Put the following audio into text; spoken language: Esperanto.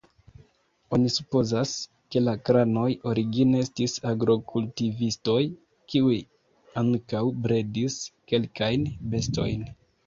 Oni supozas, ke la kranoj origine estis agrokultivistoj, kiuj ankaŭ bredis kelkajn bestojn.